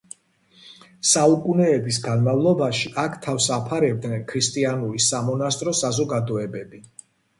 საუკუნეების განმავლობაში, აქ თავს აფარებდნენ ქრისტიანული სამონასტრო საზოგადოებები.